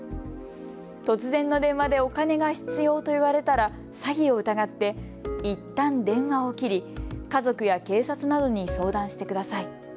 突然の電話でお金が必要と言われたら詐欺を疑っていったん電話を切り、家族や警察などに相談してください。